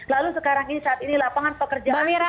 lalu sekarang ini saat ini lapangan pekerjaan